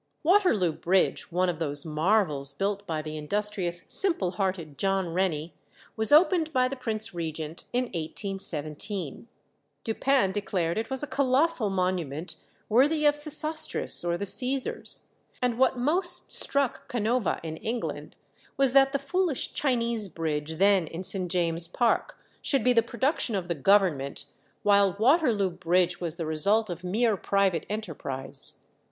Waterloo Bridge, one of those marvels built by the industrious simple hearted John Rennie, was opened by the Prince Regent in 1817. Dupin declared it was a colossal monument worthy of Sesostris or the Cæsars; and what most struck Canova in England was that the foolish Chinese Bridge then in St. James's Park should be the production of the Government, while Waterloo Bridge was the result of mere private enterprise.